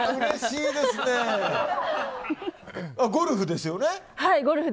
ゴルフですよね。